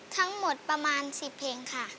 ทั้งหมดประมาณ๑๐เพลงค่ะ